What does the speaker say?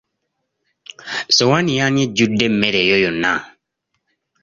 Ssowaani y'ani ejjudde emmere eyo yonna?